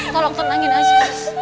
tolong tenangin aja